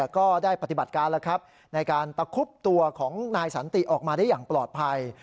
ก็ได้ปฏิบัติการแล้วครับในการตะคุบตัวของนายสันติออกมาได้อย่างปลอดภัย